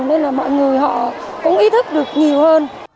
nên là mọi người họ cũng ý thức được nhiều hơn